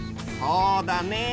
そうだね。